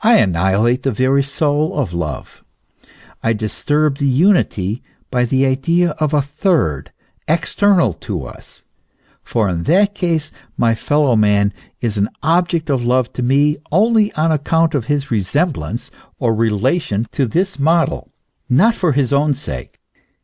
annihilate the very soul of love, I disturb the unity by the idea of a third external to us ; for in that case my fellow man is an object of love to me only on account of his resemblance or re lation to this model, not for his own sake.